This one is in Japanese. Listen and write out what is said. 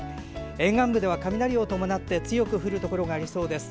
沿岸部では雷を伴って強く降るところがありそうです。